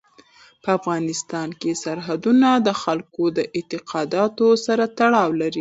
په افغانستان کې سرحدونه د خلکو د اعتقاداتو سره تړاو لري.